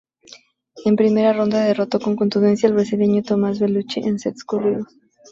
En primera ronda derrotó con contundencia al brasileño Thomaz Bellucci en sets corridos.